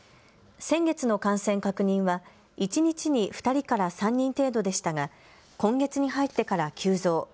先月の感染確認は一日に２人から３人程度でしたが今月に入ってから急増。